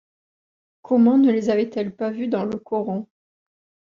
Comment ne les avait-elle pas vus dans le coron ?